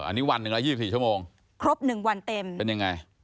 อันนี้วันหนึ่งละ๒๔ชั่วโมงครบ๑วันเต็มเป็นยังไง